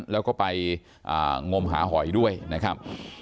แล้วก็ไปงมหาหอยด้วยนะครับ